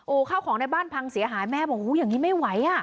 โอ้เข้าของในบ้านพังเสียหายแม่โอ้โหอย่างนี้ไม่ไหวก่อน